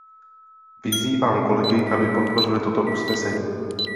Vyzývám kolegy, aby podpořili toto usnesení.